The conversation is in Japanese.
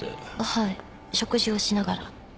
はい食事をしながら。